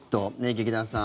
劇団さん